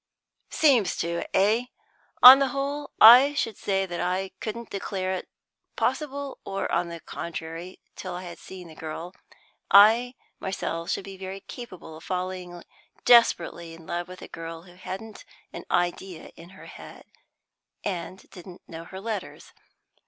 "Seems to, eh? On the whole, I should say that I couldn't declare it possible or the contrary till I had seen the girl. I myself should be very capable of falling desperately in love with a girl who hadn't an idea in her head, and didn't know her letters.